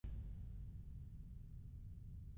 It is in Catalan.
La tensió va augmentar entre el bei i el resident.